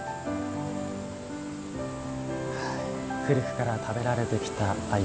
古くから食べられてきた鮎。